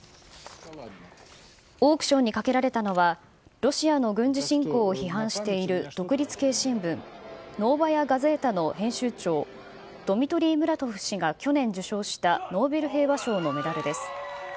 オークションにかけられたのは、ロシアの軍事侵攻を批判している独立系新聞、ノーバヤ・ガゼータの編集長、ドミトリー・ムラトフ氏が去年受賞したノーベル平和賞のメダルです。